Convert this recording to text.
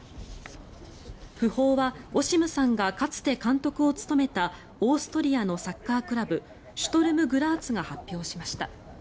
訃報はオシムさんがかつて監督を務めたオーストリアのサッカークラブシュトルム・グラーツが発表しました。